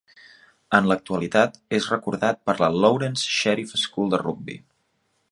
En l'actualitat és recordat per la Lawrence Sheriff School de Rugby.